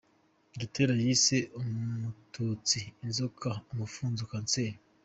Gitera yise umututsi inzoka, umufunzo, Kanseri .